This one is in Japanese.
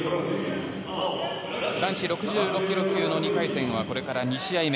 男子６６ｋｇ級の２回戦はこれから２試合目。